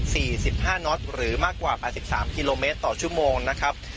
สิบห้าน็อตหรือมากกว่าแปดสิบสามกิโลเมตรต่อชั่วโมงนะครับ